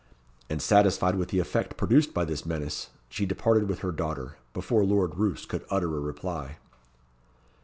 And satisfied with the effect produced by this menace, she departed with her daughter, before Lord Roos could utter a reply.